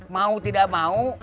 mau tidak mau